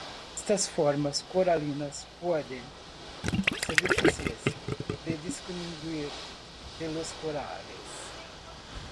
Estas formas coralinas pueden ser difíciles de distinguir de los corales.